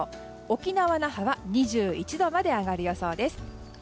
沖縄・那覇は２１度まで上がる予想です。